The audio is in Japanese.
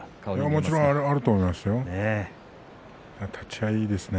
もちろんあると思いますよ。